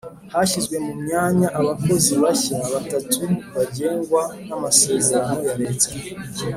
Hashyizwe mu myanya abakozi bashya batatu bagengwa n amasezerano ya leta